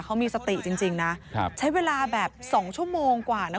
เขามีสติจริงนะใช้เวลาแบบ๒ชั่วโมงกว่านะ